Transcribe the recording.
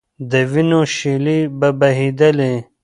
د وینو شېلې به بهېدلې.